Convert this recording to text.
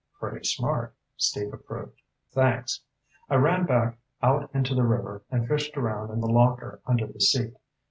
"Pretty smart," Steve approved. "Thanks. I ran back out into the river and fished around in the locker under the seat.